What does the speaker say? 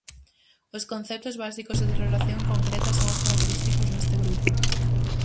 Os conceptos básicos e de relación concreta son os característicos neste grupo.